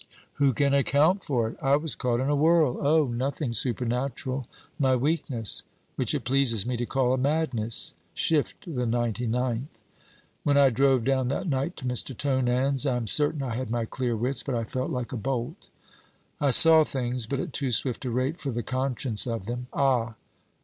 'Who can account for it! I was caught in a whirl Oh! nothing supernatural: my weakness; which it pleases me to call a madness shift the ninety ninth! When I drove down that night to Mr. Tonans, I am certain I had my clear wits, but I felt like a bolt. I saw things, but at too swift a rate for the conscience of them. Ah!